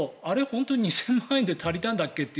本当に２０００万円で足りたんだっけって